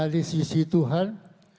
di sisi tuhan